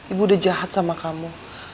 ibu udah jahat sama kamu